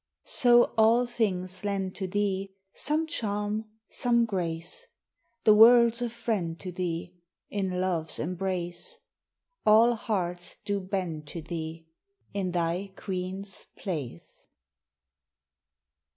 So all things lend to thee Some charm, some grace. The world's a friend to thee, In love's embrace. All hearts do bend to thee, In thy queen's place.